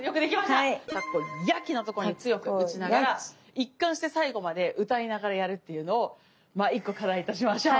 「たこやき」のところに強く打ちながら一貫して最後まで歌いながらやるっていうのをまあ１個課題としましょう。